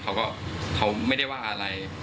เขาไม่ได้ว่าอะไร